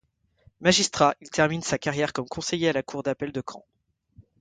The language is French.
Magistrat, il termine sa carrière comme conseiller à la cour d'appel de Caen.